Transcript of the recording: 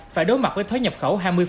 phải đối mặt với thuế nhập khẩu hai mươi